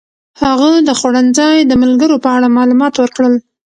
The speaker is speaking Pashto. هغه د خوړنځای د ملګرو په اړه معلومات ورکړل.